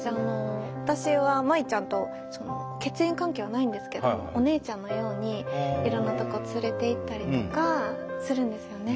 私は舞ちゃんと血縁関係はないんですけどお姉ちゃんのようにいろんなとこ連れていったりとかするんですよね。